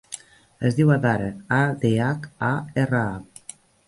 Es diu Adhara: a, de, hac, a, erra, a.